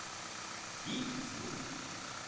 「いくつ？」。